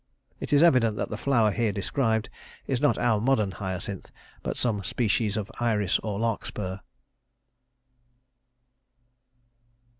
It is evident that the flower here described is not our modern hyacinth, but some species of iris or larkspur.